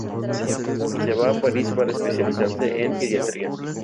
Y se va a París para especializarse en pediatría.